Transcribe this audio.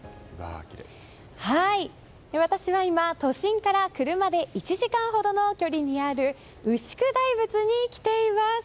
私は今、都心から車で１時間ほどの距離にある牛久大仏に来ています。